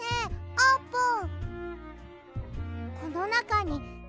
あーぷん？